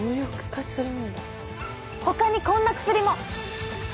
ほかにこんな薬も！